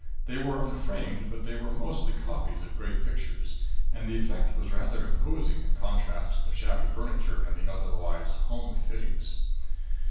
They were unframed, but they were mostly copies of great pictures, and the effect was rather imposing in contrast to the shabby furniture and the otherwise homely fittings.